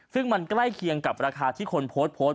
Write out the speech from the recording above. ซึ่งมันใกล้เคียงกับราคาที่คนโพสต์โพสต์